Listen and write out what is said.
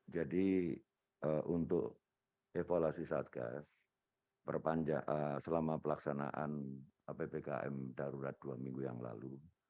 jadi untuk evaluasi satgas selama pelaksanaan ppkm darurat dua minggu yang lalu